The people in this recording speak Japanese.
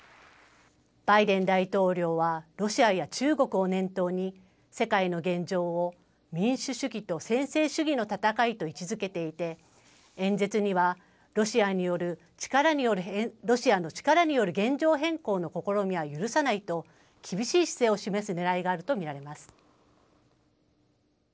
バイデン大統領はロシアや中国を念頭に世界の現状を民主主義と専制主義の闘いと位置づけていて演説にはロシアの力による現状変更の試みは許さないと厳しい姿勢を示すねらいがあると見られます。